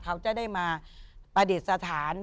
เขาจะได้มาประดิษฐาน